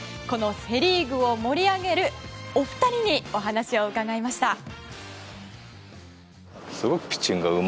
このセ・リーグを盛り上げるお二人にお話を伺いました。